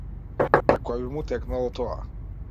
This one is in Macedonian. На кој би му текнало тоа?